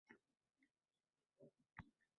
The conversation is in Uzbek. va sinadi ketma-ket